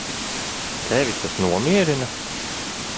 Tevi tas nomierina?